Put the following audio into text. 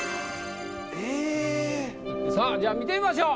ええ。さあじゃあ見てみましょう。